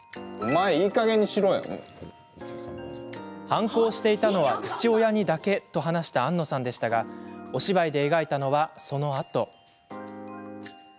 反抗していたのは父親にだけと話したあんのさんでしたがお芝居で描いたのは、そのあと。